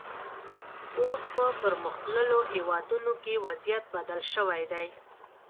اوس په پرمختللو هېوادونو کې وضعیت بدل شوی دی.